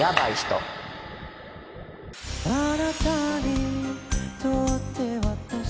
あなたにとって私